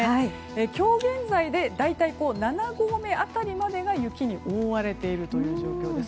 今日現在で大体７合目辺りが雪に覆われている状況です。